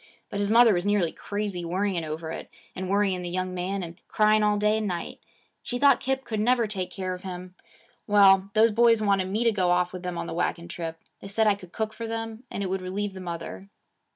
But his mother was nearly crazy worrying over it, and worrying the young man and crying all day and night. She thought Kip never could take care of him. Well, those boys wanted me to go off with them on the wagon trip. They said I could cook for them, and it would relieve the mother.